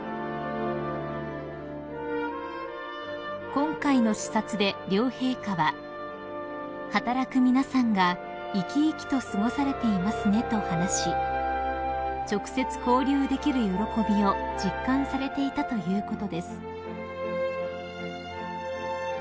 ［今回の視察で両陛下は「働く皆さんが生き生きと過ごされていますね」と話し直接交流できる喜びを実感されていたということです］